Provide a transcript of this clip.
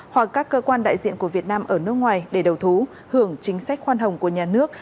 hoặc các cơ quan đại diện của việt nam ở nước ngoài để đầu thú hưởng chính sách khoan hồng của nhà nước